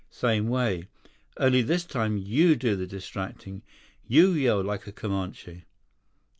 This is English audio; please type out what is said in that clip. "Same way. Only this time you do the distracting. You yell like a Comanche."